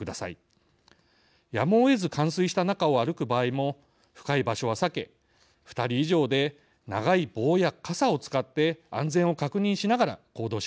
やむをえず冠水した中を歩く場合も深い場所は避け２人以上で長い棒や傘を使って安全を確認しながら行動しましょう。